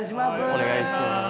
お願いします。